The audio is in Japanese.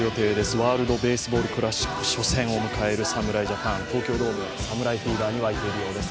ワールドベースボールクラシック初戦を迎える侍ジャパン、東京ドームは侍フィーバーに沸いているようです。